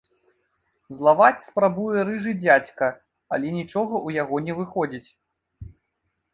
Злаваць спрабуе рыжы дзядзька, але нічога ў яго не выходзіць.